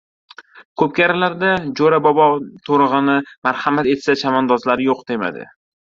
Ko‘pkarilarda Jo‘ra bobo to‘rig‘ini marhamat etsa, chavandozlar yo‘q demadi.